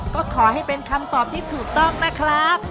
ก็ขอให้เป็นคำตอบที่ถูกต้องนะครับ